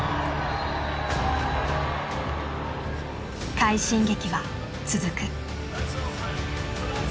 快進撃は続く。